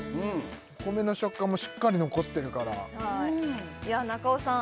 お米の食感もしっかり残ってるから中尾さん